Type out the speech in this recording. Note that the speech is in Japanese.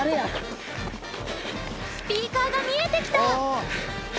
スピーカーが見えてきた！